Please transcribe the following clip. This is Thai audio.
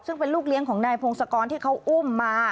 ซึ่งเป็นลูกเลี้ยงของนายพงศกรที่เขาอุ้มมา